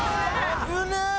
危ねえ！